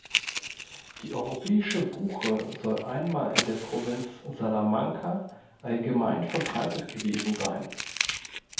Die europäischen Buche soll einmal in der Provinz Salamanca allgemein verbreitet gewesen sein.